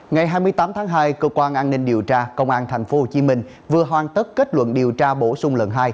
ngày hai mươi tám tháng hai cơ quan an ninh điều tra công an tp hcm vừa hoàn tất kết luận điều tra bổ sung lần hai